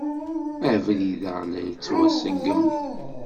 Abrid-a la yettwaṣeggam.